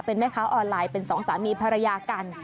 เป็นแม่ค้าออนไลน์เป็นสองสามีภรรยากัน